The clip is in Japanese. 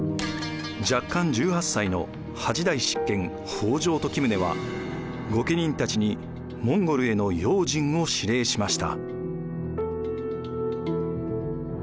弱冠１８歳の８代執権北条時宗は御家人たちにモンゴルへの用心を指令しました。